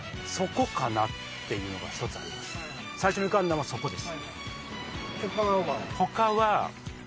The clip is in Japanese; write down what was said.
最初に浮かんだのはそこです。